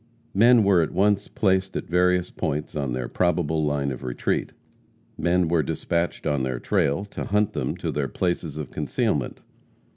Men were at once placed at various points on their probable line of retreat; men were dispatched on their trail to hunt them to their places of concealment.